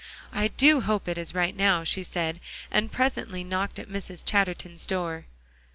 "I do hope it is right now," she said, and presently knocked at Mrs. Chatterton's door.